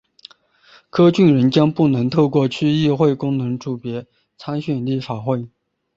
何俊仁将不能透过区议会功能组别参选立法会。